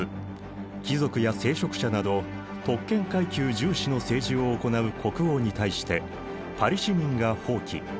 貴族や聖職者など特権階級重視の政治を行う国王に対してパリ市民が蜂起。